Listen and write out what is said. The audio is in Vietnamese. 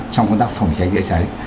trong công tác phòng cháy chữa cháy